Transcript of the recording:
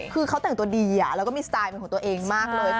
คือเขาแต่งตัวดีแล้วก็มีสไตล์เป็นของตัวเองมากเลย